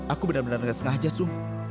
aku benar benar tidak sengaja su